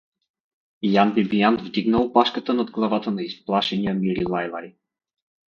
Ян Бибиян вдигна опашката над главата на изплашения Мирилайлай.